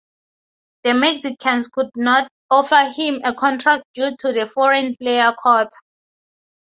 The Mexicans could not offer him a contract due to the foreign player quota.